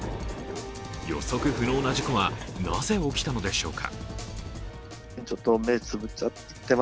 予測不能な事故はなぜ起きたのでしょうか。